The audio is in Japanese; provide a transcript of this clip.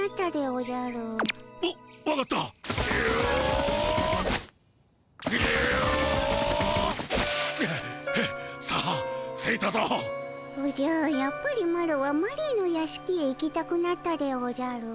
おじゃやっぱりマロはマリーの屋敷へ行きたくなったでおじゃる。